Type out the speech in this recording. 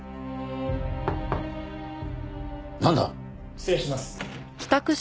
失礼します。